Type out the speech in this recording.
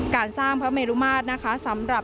การสร้างพระเมรุมาตรนะคะสำหรับ